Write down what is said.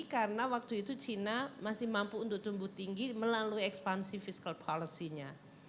karena waktu itu china masih mampu untuk tumbuh tinggi melalui ekspansi fiscal policy nya